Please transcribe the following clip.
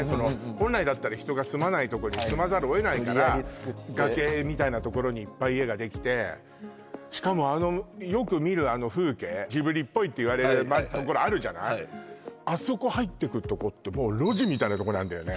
本来だったら人が住まないとこに住まざるを得ないから無理やりつくって崖みたいな所にいっぱい家ができてしかもよく見るあの風景ジブリっぽいって言われる所あるじゃないあそこ入ってくとこってもう路地みたいなとこにあんだよね